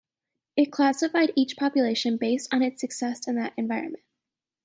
It classified each population based on its success in that environment.